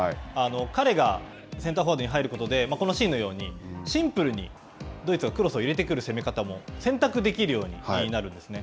彼が先頭フォワードに入ることで、このシーンのようにシンプルにドイツがクロスを入れてくる攻め方も選択できるようになるんですね。